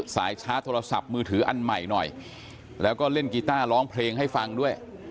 สายชาร์จโทรศัพท์มือถืออันใหม่หน่อยแล้วก็เล่นกีต้าร้องเพลงให้ฟังด้วย